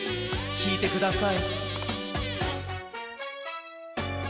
きいてください。